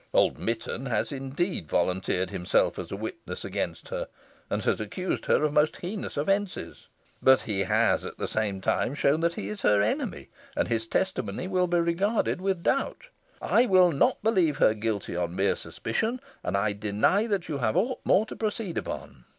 Old Mitton has, indeed, volunteered himself as a witness against her, and has accused her of most heinous offences; but he has at the same time shown that he is her enemy, and his testimony will be regarded with doubt. I will not believe her guilty on mere suspicion, and I deny that you have aught more to proceed upon."